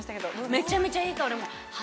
めちゃめちゃいい香り！